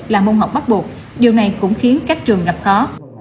là môn học bắt buộc điều này cũng khiến các trường gặp khó